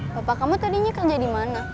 bapak kamu tadinya kerja di mana